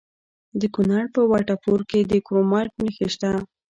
د کونړ په وټه پور کې د کرومایټ نښې شته.